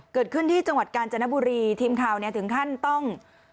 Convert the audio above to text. เกิดขึ้นที่จังหวัดกาญจนบุรีทีมข่าวเนี่ยถึงขั้นต้อง